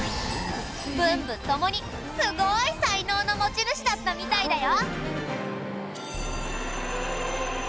文武ともにすごい才能の持ち主だったみたいだよ。